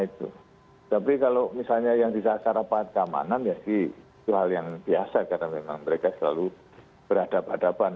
tapi kalau misalnya yang disasar aparat keamanan ya sih itu hal yang biasa karena memang mereka selalu berhadapan hadapan